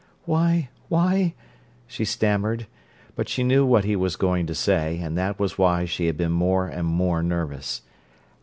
"Why—why—" she stammered; but she knew what he was going to say, and that was why she had been more and more nervous.